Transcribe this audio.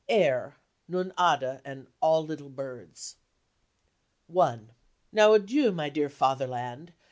(Air :" Nun ade " and " All little birds.") 1 . Now adieu , my dear Fatherland